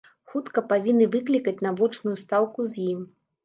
Хутка павінны выклікаць на вочную стаўку з ім.